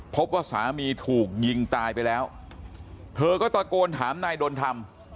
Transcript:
พบว่าสามีถูกยิงตายไปแล้วเธอก็ตะโกนถามนายดนธรรม